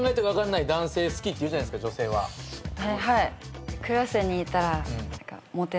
はい。